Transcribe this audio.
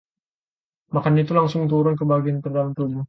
makanan itu langsung turun ke bagian terdalam tubuh.